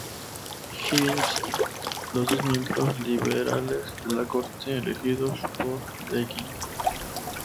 Higgins, los dos miembros liberales de la corte elegidos por Deakin.